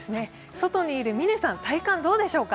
外にいる嶺さん、体感どうでしょうか？